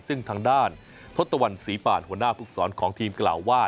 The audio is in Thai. ซึ่งทางด้านทศตวรรษีป่านหัวหน้าภูกษรของทีมกล่าวว่า